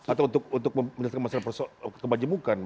atau untuk memindas kemasyarakat kebajimukan